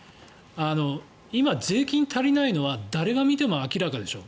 今、税金が足りないのは誰が見ても明らかでしょ。